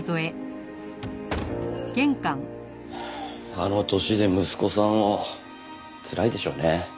あの年で息子さんをつらいでしょうね。